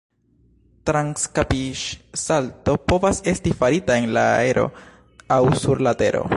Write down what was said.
Transkapiĝsalto povas esti farita en la aero aŭ sur la tero.